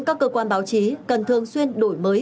các cơ quan báo chí cần thường xuyên đổi mới